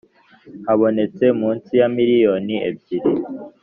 Habonetse munsi ya miliyoni ebyiri